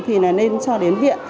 thì nên cho đến viện